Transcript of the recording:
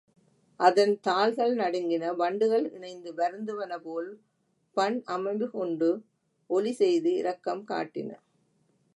அதன் தாள்கள் நடுங்கின வண்டுகள் இனைந்து வருந்துவன போல் பண் அமைவு கொண்டு ஒலி செய்து இரக்கம் காட்டின.